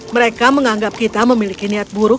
mereka menganggap kita memiliki niat buruk